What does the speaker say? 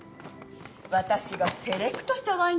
私がセレクトしたワインなの。